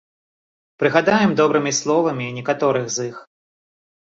Прыгадаем добрымі словамі некаторых з іх.